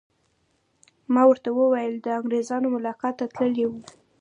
ما ورته وویل: د انګریزانو ملاقات ته تللی وم.